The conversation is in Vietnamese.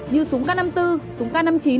như súng k năm mươi bốn súng k năm mươi chín